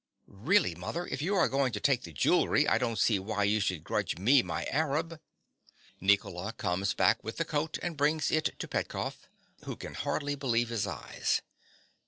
Really, mother, if you are going to take the jewellery, I don't see why you should grudge me my Arab. (_Nicola comes back with the coat and brings it to Petkoff, who can hardly believe his eyes.